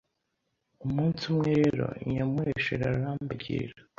Umunsi umwe rero Nyamuheshera arambagirira